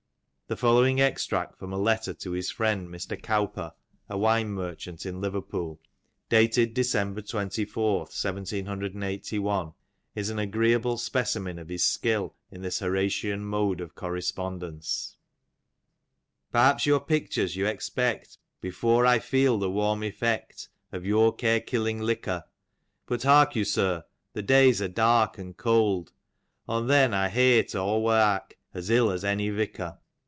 The following extract from a letter to his friend Mr. Cowper, a wine merchant in Liverpool, dated December 24, 1781, is an agreeable specimen of his skill in this Horatian mode of correspondence. "Perhaps your pictures you expect, Before I feel the warm effect. Of your care kiUing liquor! But hark you, sir, the days are dark. And cold : On then I hete aw viarJc, As iU as any vicar.